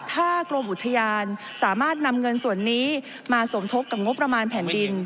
ถ้ากรมอุทยานสามารถนำเงินส่วนนี้มาสมทบกับงบประมาณแผ่นดิน